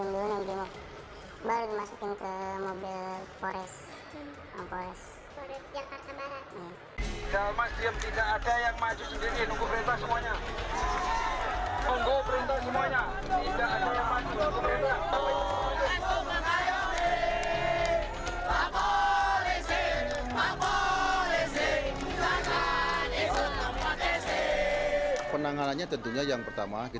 nunggu dibawa dipukulin dulu nih bermuk